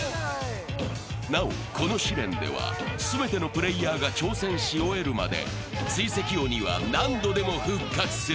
なお、この試練では、全てのプレーヤーが挑戦し終えるまで追跡鬼は何度でも復活する。